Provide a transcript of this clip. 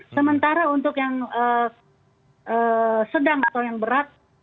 sementara untuk yang sedang atau yang berat